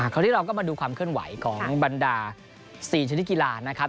คราวนี้เราก็มาดูความเคลื่อนไหวของบรรดา๔ชนิดกีฬานะครับ